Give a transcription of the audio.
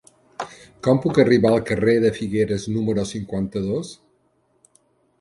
Com puc arribar al carrer de Figueres número cinquanta-dos?